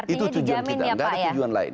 itu tujuan kita